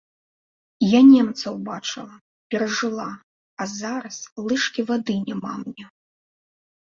Я немцаў бачыла, перажыла, а зараз лыжкі вады няма мне!